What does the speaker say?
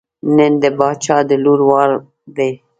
نن د باچا د لور وار دی.